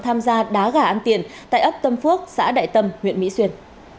tham gia đá gà ăn tiền tại ấp tâm phước xã đại tâm huyện mỹ xuyên